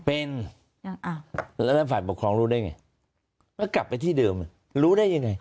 เป็นแล้วท่านฝ่ายปกครองรู้ได้ไงแล้วกลับไปที่เดิมรู้ได้ยังไง